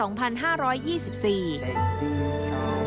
งานที่สุดท้าย